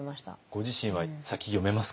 ご自身は先読めますか？